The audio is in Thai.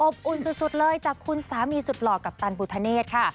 อุ่นสุดเลยจากคุณสามีสุดหล่อกัปตันบุธเนธค่ะ